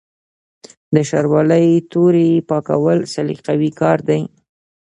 د شاروالۍ تورې پاکول سلیقوي کار دی.